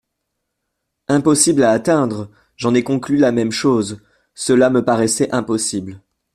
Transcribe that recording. Impossible à atteindre ! J’en ai conclu la même chose, cela me paraissait impossible.